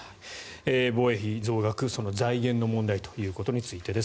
防衛費増額、財源の問題ということについてです。